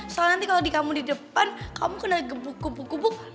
soalnya nanti kalau kamu di depan kamu kena gebuk gebuk gebuk